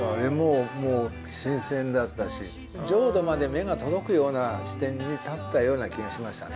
浄土まで目が届くような視点に立ったような気がしましたね。